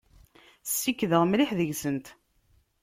Ssikkdeɣ mliḥ deg-sent.